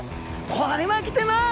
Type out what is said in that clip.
これはきてます！